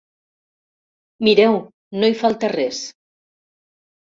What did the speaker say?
Mireu, no hi falta res.